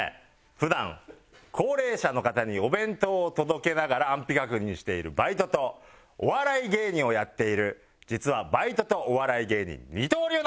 普段高齢者の方にお弁当を届けながら安否確認しているバイトとお笑い芸人をやっている実はバイトとお笑い芸人二刀流なんです！